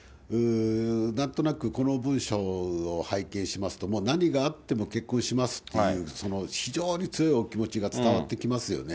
なんとなく、この文書を拝見しますと、もう何があっても結婚しますっていう、非常に強いお気持ちが伝わってきますよね。